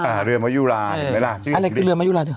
อะไรคือเรื่อนมยุลาเจ้า